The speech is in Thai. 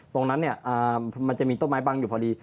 ตรงนั้นมันจะมีต้นไม้บังอยู่พอดี